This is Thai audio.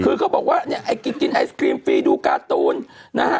คือเขาบอกว่าเนี่ยไอ้กินไอศครีมฟรีดูการ์ตูนนะฮะ